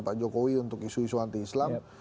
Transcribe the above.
pak jokowi untuk isu isu anti islam